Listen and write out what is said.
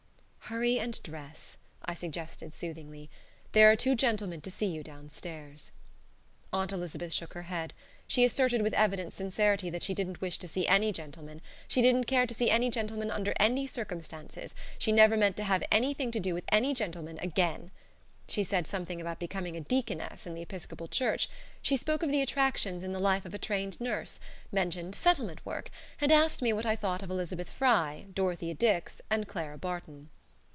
"Hurry and dress," I suggested, soothingly; "there are two gentlemen to see you downstairs." Aunt Elizabeth shook her head. She asserted with evident sincerity that she didn't wish to see any gentlemen; she didn't care to see any gentlemen under any circumstances; she never meant to have anything to do with gentlemen again. She said something about becoming a deaconess in the Episcopal Church; she spoke of the attractions in the life of a trained nurse; mentioned settlement work; and asked me what I thought of Elizabeth Frye, Dorothea Dix, and Clara Barton.